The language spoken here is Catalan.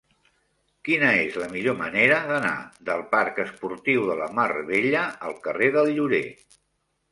Quina és la millor manera d'anar del parc Esportiu de la Mar Bella al carrer del Llorer?